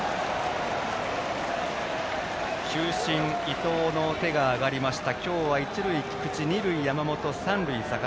球審の手が上がりました。